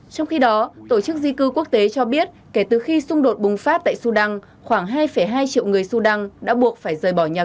trong khi đó tổ chức di cư quốc tế cho biết kể từ khi xung đột bùng phát tại sudan khoảng hai hai triệu người sudan đã buộc phải rời bỏ nhà cửa